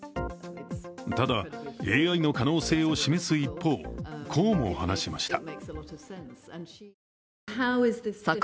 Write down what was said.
ただＡＩの可能性を示す一方こうも話しました。